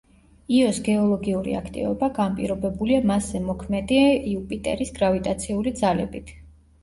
იოს გეოლოგიური აქტივობა განპირობებულია მასზე მოქმედი იუპიტერის გრავიტაციული ძალებით.